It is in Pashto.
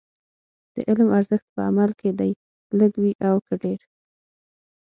د علم ارزښت په عمل کې دی، لږ وي او که ډېر.